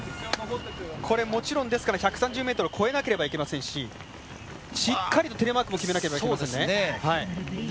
もちろん、ですから１３０ｍ越えなければいけませんししっかりとテレマークも決めなければいけませんね。